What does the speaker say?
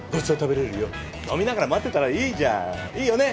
飲みながら待ってたらいいじゃん。いいよね？